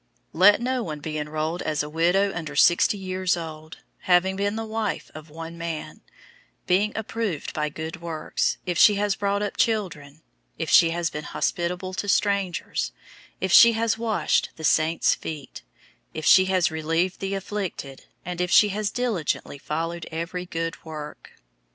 005:009 Let no one be enrolled as a widow under sixty years old, having been the wife of one man, 005:010 being approved by good works, if she has brought up children, if she has been hospitable to strangers, if she has washed the saints' feet, if she has relieved the afflicted, and if she has diligently followed every good work.